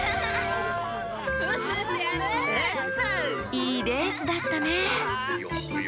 いいレースだったねいやはや。